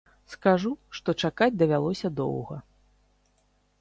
Скажу, што чакаць давялося доўга.